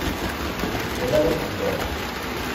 Ur cfiɣ ara fell-am.